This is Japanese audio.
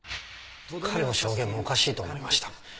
彼の証言もおかしいと思いました。